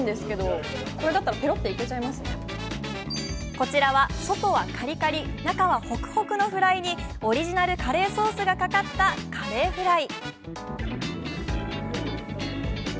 こちらは外はカリカリ、中はホクホクのフライに、オリジナルカレーソースがかかったカレーフライ。